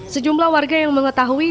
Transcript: sejumlah warga yang mengetahui